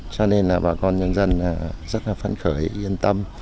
cho nên là bà con nhân dân rất là phấn khởi yên tâm